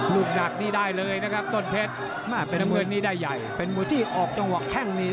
ยังนัดกันไม่เข้าต้องสอนในสอนไม่ได้